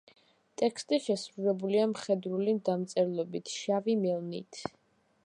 ტექსტი შესრულებულია მხედრული დამწერლობით, შავი მელნით.